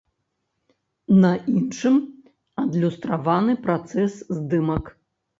На іншым адлюстраваны працэс здымак.